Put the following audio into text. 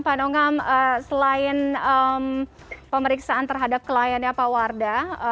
pak nongam selain pemeriksaan terhadap kliennya pak wardah